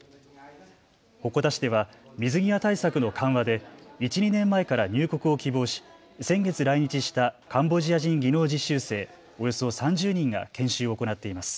鉾田市では水際対策の緩和で１、２年前から入国を希望し先月来日したカンボジア人技能実習生およそ３０人が研修を行っています。